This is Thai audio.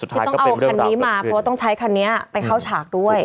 ที่ต้องเอาคันนี้มาเพราะว่าต้องใช้คันนี้ไปเข้าฉากด้วย